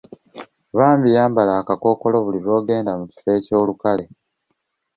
Bambi yambala akakkookolo buli lw'ogenda mu kifo ky'olukale.